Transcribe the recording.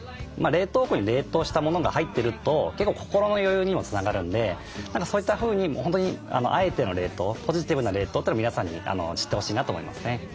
冷凍庫に冷凍したものが入ってると結構心の余裕にもつながるんでそういったふうに本当にあえての冷凍ポジティブな冷凍というのを皆さんに知ってほしいなと思いますね。